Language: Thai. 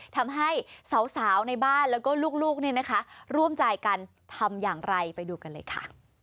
ทำให้สาวในบ้านแล้วก็ลูกเนี่ยนะคะร่วมใจกันทำอย่างไรไปดูกันเลยค่ะ